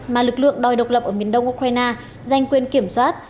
mà lực lượng đòi độc lập ở miền đông ukraine giành quyền kiểm soát